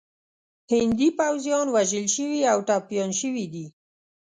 هندي پوځیان وژل شوي او ټپیان شوي دي.